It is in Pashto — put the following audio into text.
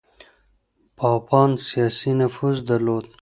پاپان سياسي نفوذ درلود.